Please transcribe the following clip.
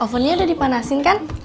ovennya udah dipanasin kan